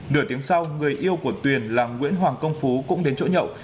nửa tiếng sau người yêu của tuyền là nguyễn hoàng công phú cũng đến chỗ nhậu